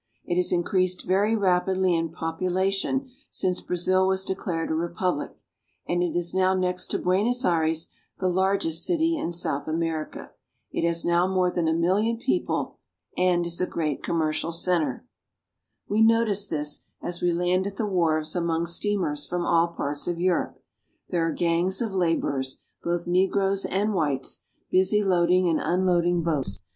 It has increased very rapidly in population since Brazil was declared a re public, and it is now next to Buenos Aires the larg est city in South America. It has now more than a million people, and is a great commercial center. We notice this as we land at the wharves among steamers from all parts of Europe. There are gangs of laborers, both negroes and whites, busy loading and unloading boats.